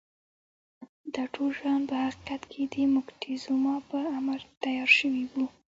دا ټول شیان په حقیقت کې د موکتیزوما په امر تیار شوي وو.